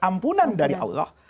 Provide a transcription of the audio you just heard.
ampunan dari allah